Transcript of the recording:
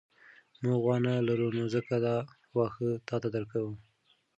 موږ غوا نه لرو نو ځکه دا واښه تاته درکوو.